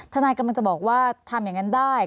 กำลังจะบอกว่าทำอย่างนั้นได้